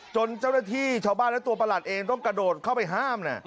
จนเจ้าหน้าที่ชาวบ้านและตัวประหลัดเองต้องกระโดดเข้าไปห้าม